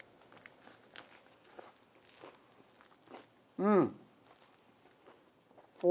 うん！